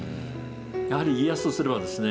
やはり家康とすればですね